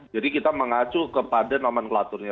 jadi kita mengacu kepada nomenklaturnya